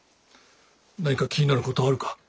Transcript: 何か気になることはあるか？